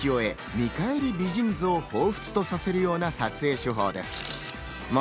江戸時代の浮世絵『見返り美人図』をほうふつとするような撮影手法です。